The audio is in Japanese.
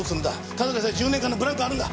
ただでさえ１０年間のブランクがあるんだ。